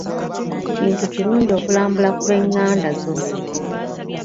Kintu kirungi okulambula ku b'enganda zo.